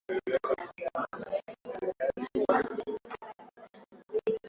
lakini sio mmea wa bangi yenyewe au sehemu zake Anvisa pia imeanzisha